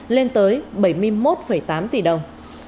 lên tới bảy mươi một tám tỷ đồng